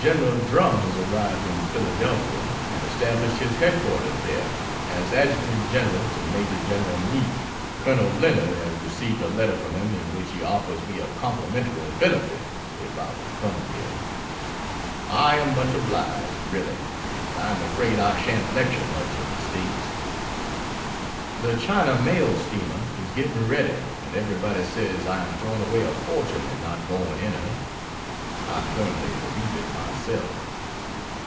Drum has arrived in Philadelphia and established his head quarters there, as Adjutant Genl. to Maj. Gen. Meade. Col. Leonard has received a letter from him in which he offers me a complimentary benefit if I will come there. I am much obliged, really, but I am afraid I shan't lecture much in the States. The China Mail Steamer is getting ready and everybody says I am throwing away a fortune in not going in her. I firmly believe it myself.